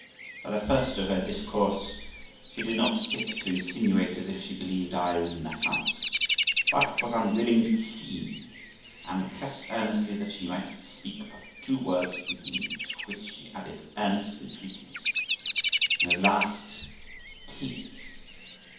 By the first of her discourse she did not stick to insinuate as if she believed I was in the house, but was unwilling to be seen; and pressed earnestly that she might speak but two words with me; to which she added earnest entreaties, and at last tears.